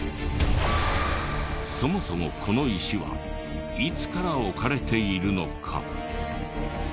そもそもこの石はいつから置かれているのか？